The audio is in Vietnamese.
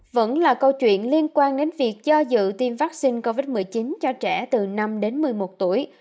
vẫn là câu chuyện liên quan đến việc cho dự tiêm vaccine covid một mươi chín cho trẻ từ năm đến một mươi một tuổi